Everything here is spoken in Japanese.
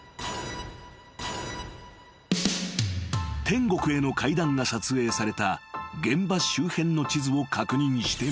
［天国への階段が撮影された現場周辺の地図を確認してみると］